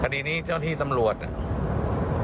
ที่นี่เจ้าที่สำรวจเนี่ย